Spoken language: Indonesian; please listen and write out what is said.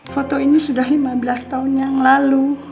foto ini sudah lima belas tahun yang lalu